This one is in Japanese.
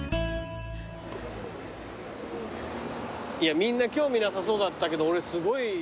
みんな興味なさそうだったけど俺すごい感動してるわ。